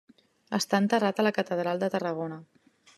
Està enterrat a la catedral de Tarragona.